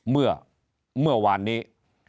เมื่อวานนี้